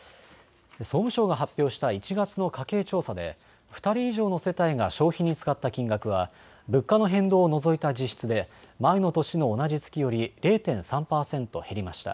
総務省が発表した１月の家計調査で２人以上の世帯が消費に使った金額は物価の変動を除いた実質で前の年の同じ月より０．３％減りました。